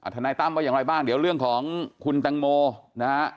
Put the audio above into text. ทนายตั้มว่าอย่างไรบ้างเดี๋ยวเรื่องของคุณแตงโมนะฮะ